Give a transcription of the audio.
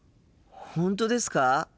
本当ですか？